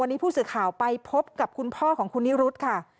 วันนี้ผู้สื่อข่าวไปพบกับคุณพ่อของคุณนิรุธค่ะ